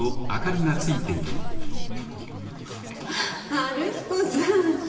春彦さん！